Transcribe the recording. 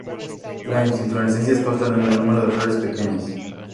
Las inflorescencias constan de un gran número de flores pequeñas.